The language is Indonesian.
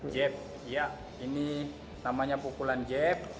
jab ya ini namanya pukulan jab